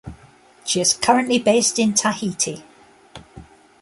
She is currently based in Tahiti.